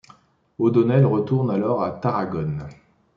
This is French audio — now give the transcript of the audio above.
O'Donnell retourne alors à Tarragone.